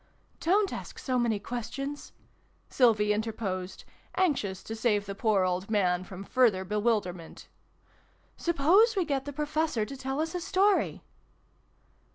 " Don't ask so many questions !" Sylvie interposed, anxious to save the poor old man from further bewilderment. " Suppose we get the Professor to tell us a story."